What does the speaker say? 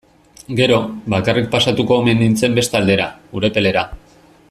Gero, bakarrik pasatuko omen nintzen beste aldera, Urepelera.